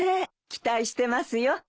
期待してますよ。